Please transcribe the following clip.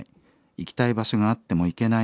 行きたい場所があっても行けない。